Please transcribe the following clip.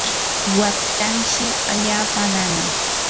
waqtanshi allaapa nanan.